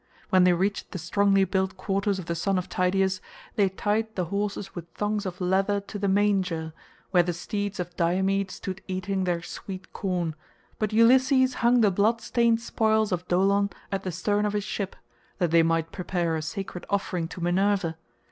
When they reached the strongly built quarters of the son of Tydeus, they tied the horses with thongs of leather to the manger, where the steeds of Diomed stood eating their sweet corn, but Ulysses hung the blood stained spoils of Dolon at the stern of his ship, that they might prepare a sacred offering to Minerva.